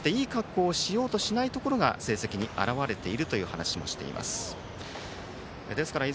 決していい格好をしようとしないところが成績に表れていると話しています。